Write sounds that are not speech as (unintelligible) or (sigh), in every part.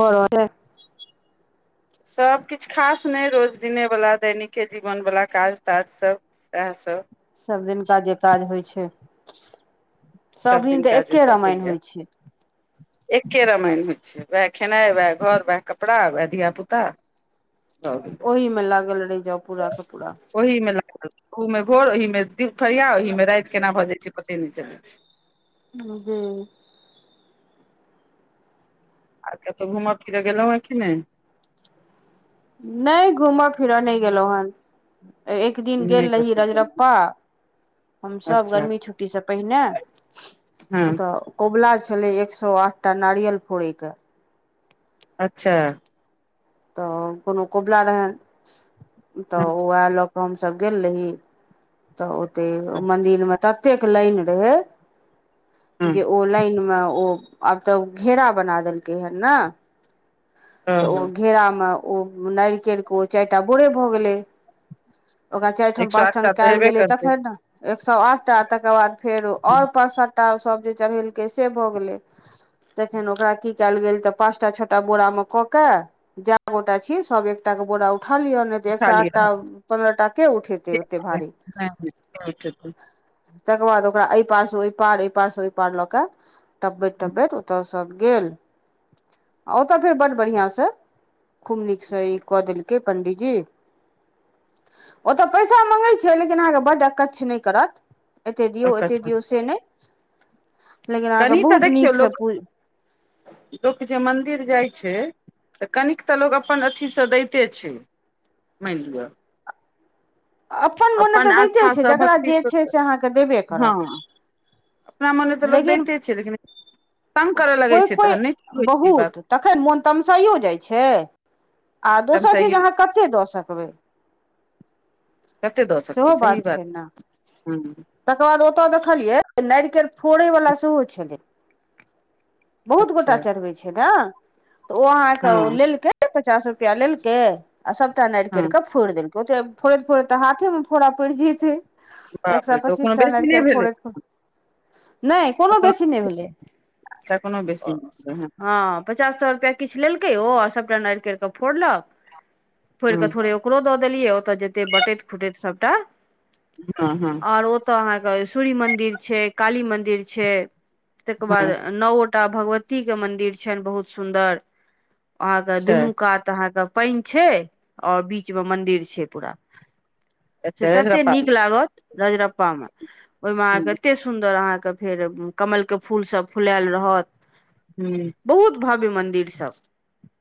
भ रहलै सब किछ खास नहि रोज दिने वला दैनिके जीवन वला काज ताज सब सेह सब सभ दिनका जे काज होइ छै सब सभदिन तऽ दिनका एके रामायण होइ छै एक्के रामायण होइ छै वएह खेनाइ वएह घर उएह कपड़ा वएह धियापुता हँ ओहिमे लागल रहि जाउ पूरा क पूरा ओहि मे लागल ओह में भोर ओहि दुफरिया ओहि मे राति केना भऽ जाय छै पते नहि चलै छै हं आ कतहु घूमय फिरऽ गेलहुँ है कि नहि नइ घूमऽ फिरऽ नहि गेलहुँ हन एक दिन नहि गेल रही कतहु गेलहुँ रजरप्पा हम सभ अच्छा गर्मी छुट्टीसँ पहिने हँ ओतय कबुला छलै, एक सए आठटा नारियल फोड़ैके। अच्छा। तऽ कोनो कबुला रहनि तऽ हँ ओ आयल। हमसभ गेल रही तऽ ओते मन्दिरमे तऽ। एतेक लाइन रहे हँ जे ओहि लाइनमे ओ। आब तऽ ओ घेरा बना देलकै हे ने? तऽ ओ घेरामे ओ नारियलके चारि टा बोरा भऽ गेलै। ओकरा चारि एक ठाम, सए पाँच ठाम आठटा तऽ कयल हेबे गेलै करतै तखने ने। एक सए आठटा, तकर बाद फेर आओर पाँच-सातटा सभ जे चढ़ेलकै से भऽ गेलै। तखन ओकरा की कयल गेल तऽ पाँचटा छओटा बोरामे। कऽ कऽ जे गोटा छी सभ, एक एकटा बोरा उठा लिअ। एक उठा सए लिअ आठटा अहाँ पन्द्रह टा के उठेतै, के ओते भारी। (unintelligible) तकर बाद ओकरा एहि पारसँ ओहि पार, एहि पारसँ ओहि पार लऽ कऽ तबैत उठेतै तबैत ओतय। आओर बड़ बढ़िया से छै। के पंडित जी ओतऽ पैसा मँगैत छै, लेकिन अहाँके बड्ड अच्छा नहि करत। एते दियौ, एते कच दियौ से नहि, लेकिन अहाँके कनि तऽ बहुत देखियौ नीकसँ लोक पू लोक जे मन्दिर जाइत छै तऽ कनि तऽ लोक अपन अथीसँ दैते छै। मानि लिअ अपन मोनसँ तऽ दैते छै, आस्थासँ जकरा जे भक्तिसँ छै से अहाँके देबे करत। गाममे तऽ लोकसभ लेकिन देखे छै, लेकिन तंग करय लगै कोइ छै कोइ तहन नहि होइ छै ई बात बहुत, तखन मोन तमसायो जाइ छै। आ दोसर छै जे तमसाइये अहाँ कतेक दऽ सकबै। कते दऽ सेहो सकबै सही बात छै ने हु तकर बाद ओतय देखलियै नैर के फोड़े वाला सेहो छलै बहुत अच्छा गोटा चढ़बै छै ने, तऽ ओ अहाँके ओ हँ लेलक। पचास रुपआ लेलकै आ सबटा नारि हँ कऽ। फोड़ देल ओतऽ, फोड़ते फोड़ते हाथमे फोड़ पड़ि जाइत छै। एक बाप रे सए तऽ ओ कोनो पच्चीसटा बेसी नहि भेलै खर नहि, कोनो बेसी नहि भेल। अच्छा कोनो बेसी नहि भेलै हँ। पचास सए रुपआक किछु लेलकै, ओ सबटा नारियल फोड़लक, फोड़ि हँ कऽ थोड़े। ओकरो दऽ देलियै ओतऽ, जेते बटैत खुटैत सभटा। हूँ हूँ। आओर ओतय अहाँके सूर्य मन्दिर छै, काली मन्दिर छै, ताहिके बाद हँ नओ गोटा भगवतीक मन्दिर छनि, बहुत सुन्दर। अहाँके अच्छा दुनू कात पानि छै आ बीचमे मन्दिर छै, पूरा। से अच्छा तऽ रजरा तते पाबनि नीक लगैत अछि रजरप्पामे, ओहिमे अहाँके हूँ एते सुन्दर फेर कमलक फूलसभ फुलायल रहत। हूँ बहुत भव्य मन्दिर सब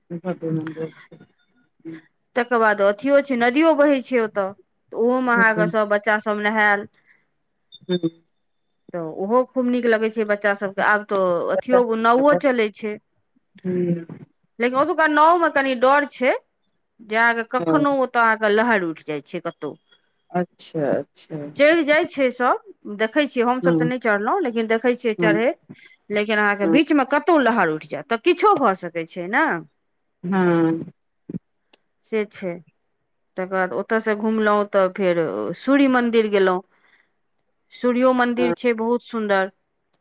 मन्द छै हऽ। तकर बाद अथियो छै, नदियो बहै छै ओतय तऽ ओहोमे हूँ अहाँके सभ बच्चासभ नहायल। हूँ तऽ ओहो खूब नीक लगै छै बच्चा बच्चासभके आब तऽ हँ अथिओ नावो चलै छै। लेकिन ओतुक्का नावमे कनि डर छै। जे अहाँके कखनो ओतय लहरि उठि जाइत छै कतहु। अच्छा, अच्छा। चढ़ि जाइ छै सब देखै छियै हम सब तऽ हँ नहि चढ़लहुॅं लेकिन देखै छियै हँ चढ़ैत लेकिन अहाँके हँ बीचमे कतहु लहरि उठि जायत तऽ किछु भऽ सकैत छै ने। हँ। से छै। तकर बाद ओतयसँ घुमलहुँ तऽ फेर सूर्य मन्दिर गेलऊ सूर्य मन्दिर छै, बहुत सुन्दर।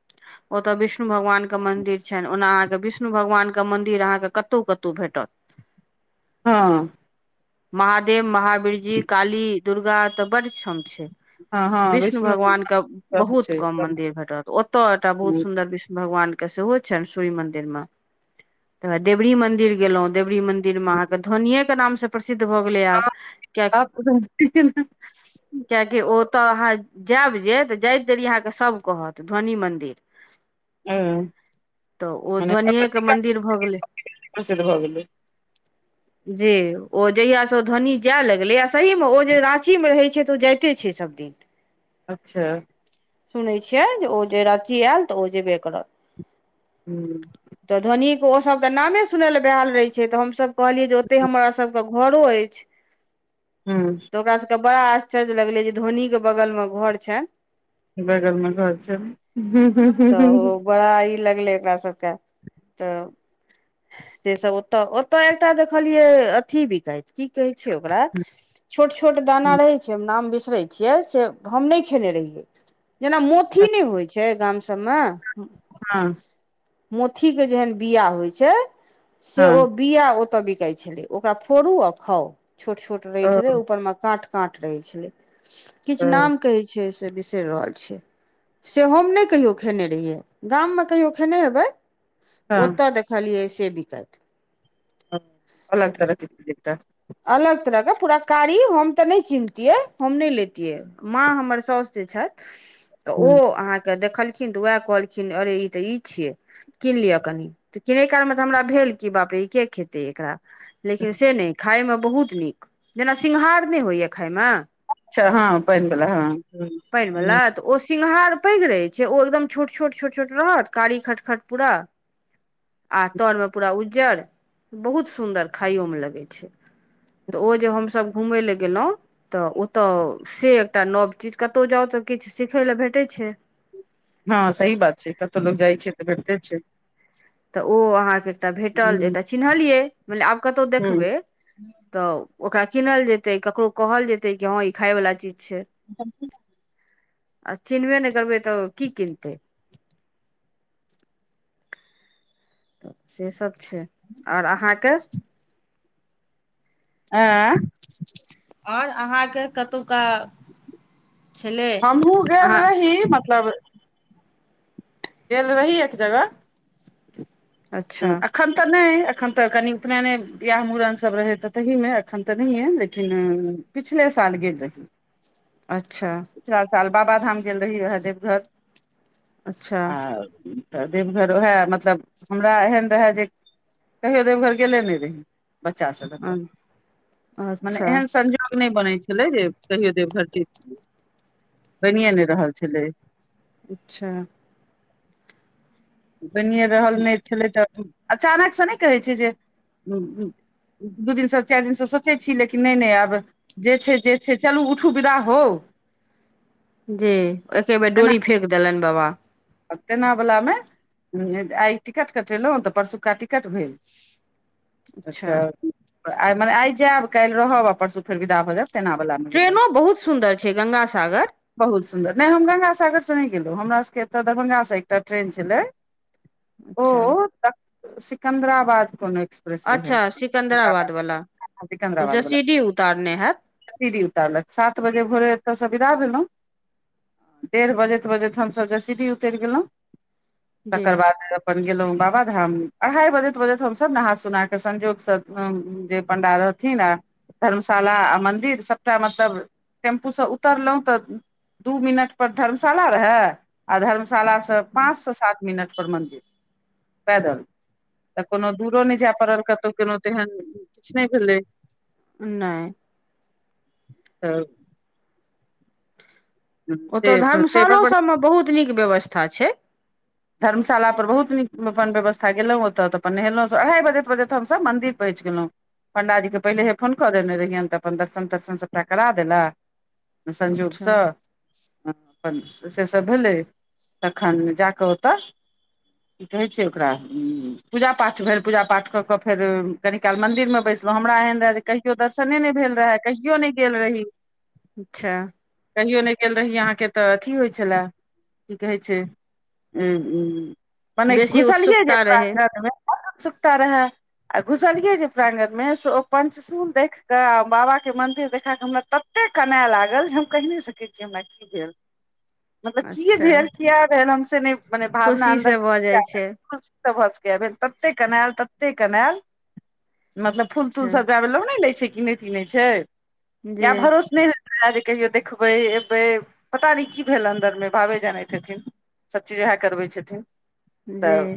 (inaudible) ओतय विष्णु भगवानक मन्दिर छनि, ओना अहाँके विष्णु भगवानक मन्दिर कतहु कतौ भेटत। हँ। महादेव, महावीरजी, काली, दुर्गा तऽ बड़ क्षेम छै। हँ हँ विष्णु वैष्णो भगवानके। बहुत कम मंदिर भेटत ओतअ एकटा ओ बहुत सुन्दर विष्णु भगवान सेहो छेन स्वी मंदिर मे तऽ देवरी मंदिर गेलउ देवरी मंदिर मे अहाँ के धोनिया के नाम से सिद्ध भऽ गेलै आब कियाकि कियकि ओ तऽ अहाँ जायब जे तऽ जाइत देरि अहाँके सभ कहत ध्वनि मन्दिर तऽ ओ मने ध्वनिएके भगवती कात मन्दिर भऽ गेलै से प्रसिद्ध भऽ गेलै जी ओ जहिया से धोनि जाय लगलै आ सही मे ओ जे राची मे रहै छै तऽ ओ जाइते छै सबदिन अच्छा सुनै छियै जे ओ जे अथी आयल तऽ ओ जेबे करत हूँ तऽ धोनीयेके ओसभ तऽ नामे सुनय ले बेहाल रहै छै तऽ हमसभ कहलियै जे ओतेक हमर सबके घरो अछि हूँ तऽ ओकरा सबके बड़ा आश्चर्य लगलै जे धोनी के बगल मे घर छेन बगलमे घर छै हूं हूं तऽ हूं ओ बड़ा आ (unintelligible) लगलै ओकरा सबके तऽ से सब ओतऽ ओतऽ एकटा देखलियै अथी बिकति की कहे छै ओकरा छोट छोट दाना रहे छै नाम बिसरे छै छियै से हम नहि खेने रहियै जेना मोथि नहि होइ छै गाम सभमे हँ अथी के जेहन बिया होइ छै से ओ हँ बिया ओतअ बिकाय छलै ओकरा फोड़ू आ खाउ छोट छोट रहै ओ छले ऊपर में काट काँट रहइ छलै किछु ओ नाम कहै छै से बिसरि रहल छै से हम नहि कहियो खेने रहियै गाम मे कहियो खेने हेबै हँ ओतऽ देखलियै से बिकाइत ह अलग तरह कत द त अलग तरह के पूरा कारी हम तऽ नहि चिन्हतिये हम नहि लैतिये माँ हमर साउस जे छथि तऽ ओ हम्म, अहाँके देखल खिन तऽ उएह कहलखिन अरे ई तऽ ई छियै कीन लियअ कनि तऽ किनय कालमे तऽ हमरा भेल कि बाप रे के खेतै एकरा लेकिन हम्म, से नहि खायमे बहुत नीक जेना सिङघार नहि होइए खाय में अच्छा हँ पनिवाला हँ पनि वला त ओ सिंघार पैघ रहे छै ओ एकदम छोट छोट छोट छोट रहत कारी खटखट पूरा आ तर में पूरा उज्जर बहुत सुंदर खाइयो में लगे छै तऽ ओ जे हमसभ घूमय लए गेलहुँ तऽ ओतय से एकटा नव चीज कतहु जाउ तऽ किछु सिखय लेल भेटैत छै हँ सही बात छै कतहु लोक जाइ छै तऽ भेटते छै तऽ ओ अहाँके एकटा भेटल जे ह एकटा चिन्हलियै मान लि आब कतअउ हूँ देखबै तऽ ओकरा कीनल जेतै ककरो कहल जेतै कि हँ ई खायवला चीज छै (inaudible) आ चिन्हबे नहि करबै तऽ की किनतै तऽ से सब छै और अहाँके ऐं आओर अहाँके कतौका हमहुँ गेल अहाँ रही मतलब गेल रही एक जगह अच्छा एखन तऽ नहि एखन तऽ कनि उपनयने बियाह मुड़न सब रहै तऽ तहिमे एखन तऽ नहि लेकिन पिछले साल गेल रही अच्छा पिछला साल बाबाधाम गेल रही वैहा देवघर अच्छा आ तऽ देवघर ओएह मतलब हमरा एहन रहए जे कहियो देवघर गेले नहि रही बच्चा सब लक मने अच्छा एहन संजोग नहि बनै छलै जे कहियो देवघर जैती बनिए नहि रहल छलै अच्छा बनिए रहल नहि छलै त अचानकसँ नहि कहैत छै जे दू दिनसँ चारि दिनसँ सोचै छी लेकिन नहि नहि आब जे छै जे छै चलू उठु विदा हौउ जे एके बेर डोरी फेेक देलनि बाबा आ तेनावालामे ह आय टिकट कटेलौ तऽ परसुक्का टिकट भेल अच्छा तऽ माने आय जायब काल्हि रहब परसू फेर विदा भऽ जायब तेना वाला मे ट्रेनो बहुत सुन्दर छै गंगा सागर बहुत सुन्दर नहि हम गगांसागर से नहि गेलौ हमरा सबके एतय दरभंगासँ एकटा ट्रेन छलै अच्छा ओ त सिकन्दराबाद को ने अच्छा सिकंदराबाद वाला ओ जयसीडी उतारने हेत सीडी उतारलक सात बजे भोरे एतऽ स बिदा भेलौ डेढ़ बजैत बजैत हमसभ जे सीढ़ी उतरि गेलहुँ जी तकर बाद अपन गेलों बाबा धाम अढ़ाई बजैत बजैत हम सब नहा सुना के संजोग से जे पंडा रह हथिन आ धर्मशाला आ मन्दिर सभटा मतलब टेम्पूसँ उतरलौ तऽ दू मिनटपर धर्मशाला रहे आ धर्मशालास से पाँच से सात मिनट पर मंन्दिर पैदल तऽ कोनो दूरो नहि जाय पड़ल कतहु कोनो तेहन किछु नहि भेलै नहि (unintelligible) ओतौ से से बड़ धर्मशलो सभमे बहुत नीक व्यवस्था छै धर्मशाला पर बहुत नीक अपन व्यवस्था गेलौओतऽ तऽ अपन नहेलौ अढ़ाइ बजे बजे तक हमसभ मन्दिर पहुँच गेलौ पंडाजी के पहिलेहे फोन कऽ देने रहियनि त अपन दर्शन तर्शन सभटा करा देलक संजोग अच्छा स हँ अपन सेसभ भेलै तखन जा कऽ ओत की कहै छै ओकरा पूजा पाठ भेल पूजा पाठ कऽ कऽ फेर कनिक काल मंदिर मे बैसलहुँ हमरा एहन रहय जे कहियो दर्शने नहि भेल रहए कहियो नहि गेल रही अच्छा कहियो नहि गेल रही अहाँके तऽ अथी होइत छलए की कहै छै उ माने बेसी घुसलियै जे उत्सुकता रहै बड उत्सुकता रहए आ घुसलियै जे प्रागंन से ओ पञ्चसून देखि कऽ आ बाबाके मन्दिर देखा कऽ हमरा तत तते कनेए लागल जे हम कहि नहि सकैत छियै हमरा की भेल मतलब की अच्छा भेल किया भेल हमसे नहि माने भावना खुशी अन्दर से भऽ जाइ छै भ सकैय या तते कनायल तते कनायल मतलब फूल तूल अच्छा सब गाबे लग नहि ले छै किन की नहि छै जी या भरोस नहि अ जे कहियो देखबै एबै पता नहि की भेल अन्दर मे भावे जानैत हेथनि इएह करबै छथिन जी तऽ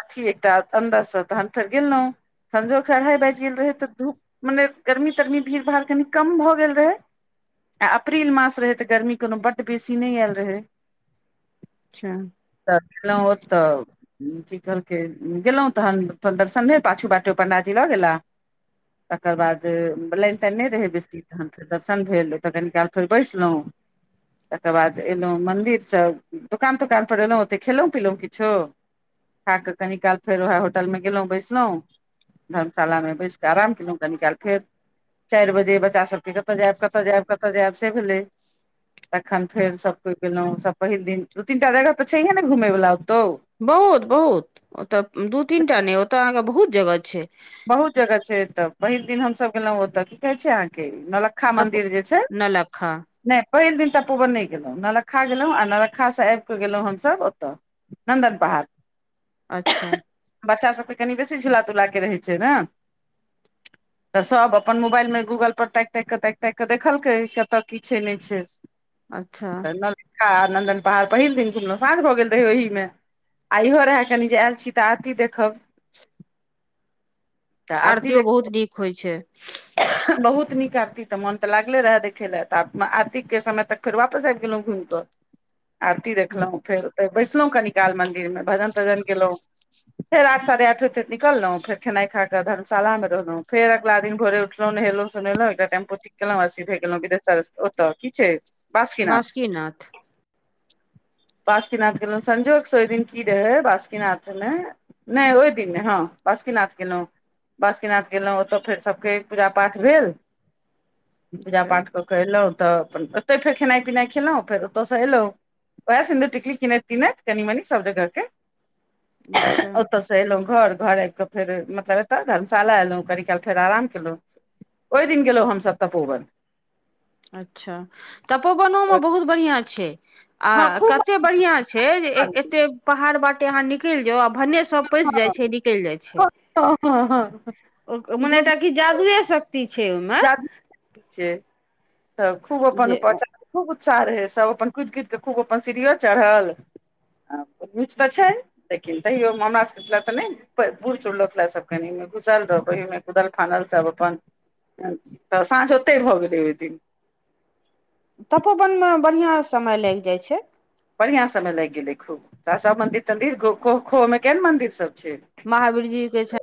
अथी एकटा अन्दरसँ तहन फेर गेलौ संजोगसँ अढ़ाई बाजि गेल रहै तऽ धूप मने गर्मी तरमी भीड़ भाड़ कनि कम भऽ गेल रहै आ अप्रिल मास रहे तऽ गर्मी कोनो बड्ड बेसी नहि आयल रहै अच्छा तऽ देलौ ओतऽ की कहलकै गेलौ तहन अपन दर्शन भेल पाछू बाटो पण्डाजी लऽ गेला तकर बाद लाइन ताइन रहय बेसी तहन फेर दर्शन भेल तऽ कनि काल फेर बैसलौ तकर बाद एलौ मन्दिरसँ दोकान तोकानपर एयलौ ओतेक खेलौ पीलौ किछो खा कऽ कनी काल फेर उएह होटल मे गेलौ बैसलौ धर्मशालामे बैस कऽ आराम केलौ कनी काल फेर चारि बजे बच्चा सबके कतऽ जायब कतऽ जायब कतऽ जायब से भेलै तखन फेर सभ कोइ गेलहुँ, सभ पहिल दिन दू तीनटा जगह तऽ छैहे ने घूमय बला, ओतौ। बहुत बहुत, ओतय दू तीनटा नहि, ओतय अहाँके बहुत जगह छै। बहुत जगह छै, एतऽ बहुत दिन हमसभ गेलहुँ ओते, की कहै छी अहाँके ने। खा तब मन्दिर जे छै। नौलक्खा नहि, पहिल दिन तऽ तपोवन नहि गेलहुँ, नलक्खा गेलहुँ आ नलक्खासँ आबि कऽ गेलहुँ हमसभ ओतय। नन्दन पहाड़। अच्छा। बच्चासभके कनि बेसी झूला तूला रहै छै ने। तऽ सभ अपन मोबाइलमे गूगलपर ताकि ताकि कऽ, ताकि ताकि कऽ देखलकै, कतय की छै, नहि छै। अच्छा। नलखा आ नन्दन पहाड़, पहिल दिनो साँझ भऽ गेल रहै ओहिमे। आ इहो रहै कनि जे आयल छी तऽ आरती देखब। तऽ आरती देख बहुत नीक होइत छै। बहुत नीक आरती तऽ मोन तऽ लागले रहै देखय लेल, तऽ आरतीके समय तक फेर वापस आबि गेलहुँ घुमि कऽ। आरती देखलहुँ, फेर बैसलहुँ कनि काल मन्दिरमे, भजन तजन गेलेहुँ। फेर आठ साढ़े आठ बजे निकलहुँ, फेर खेनाइ खा कऽ धर्मशालामे रहलहुँ, फेर अगिला दिन। भोरे उठलहुँ, नहेलहुँ, सोन्हेलहुँ, एकटा टेम्पो ठीक केलहुँ आ सीधे गेलहुँ वैद्यनाथ ओतय, की छै? बासुकीनाथ। बासुकीनाथ गेलहुँ संजोगसँ, ओहि दिन की रहै बासुकीनाथमे। नहि, ओहि दिनमे हँ बासुकीनाथ गेलहुँ, बासुकीनाथ गेलहुँ, ओतय फेर सभ। के पूजा पाठ भेल, पूजा अच्छा पाठ कऽ। कयलहुँ तऽ अपन ओतहि फेर खेनाइ पिनाइ खेलहुँ, फेर ओतयसँ अयलहुँ। बस, सिन्दूर टिकली किनैत किनैत, कनि मनि सभ जगहके अच्छा ओतऽ। से अयलहुँ घर, घर आबि कऽ फेर मतलब एतऽ धर्मशाला एलहुँ, कनिकाल फेर आराम। ओहि दिन गेलहुँ हमसभ तपोवन। अच्छा, तपोवनोमे बहुत बढ़ियाँ छै आ हँ खूब कतेक बढ़ियाँ छै। छै जे एते पहाड़ बाटे अहाँ निकलि जाउ आ भीतर सभ पैसि जाइ छै, निकलि जाय छै। तऽ हँ हँ। ओ, मने एकटा की जादुएक शक्ति छै? ओहिमे तऽ खूब ओ अपन जे पचास। खूब उत्साह रहै सभके, अपन कुदि कुदि कऽ खूब सीढ़ियो चढ़ल आ। नाच तऽ छै, लेकिन तैयो म मतलब तऽ नहि, बूढ़ सुरलोक रहे सभ, कनि घुसल रहौ ओहिमे, कुदल फानल सभ अपन। तऽ साँझ ओतहि भऽ गेलै ओहि दिन। तपोवनमे बढ़ियाँ समय लागि जाइ छै। बढ़िआँ समय लागि गेलै खूब सब मन्दिर तन्दिर खो खोमे केहन मंन्दिर सभ छै महावीरजीके।